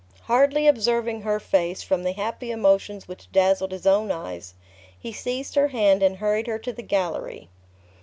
Hardly observing her face, from the happy emotions which dazzled his own eyes, he seized her hand, and hurried her to the gallery.